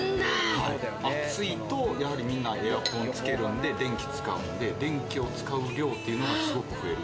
暑いと、みんなエアコンつけるんで、電気使うんで、電気を使う量というのがすごく増える。